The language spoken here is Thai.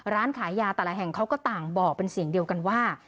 ร้านขายยาแต่ละแห่งเขาก็ต่างบอกเป็นเสียงเดียวกันว่า